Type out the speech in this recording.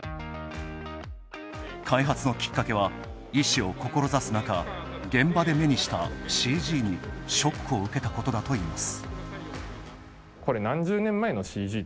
開発のきっかけは医師を志す中、現場で目にしたＣＧにショックを受けたことだといいます。